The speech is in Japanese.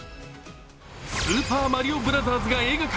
「スーパーマリオブラザーズ」が映画化。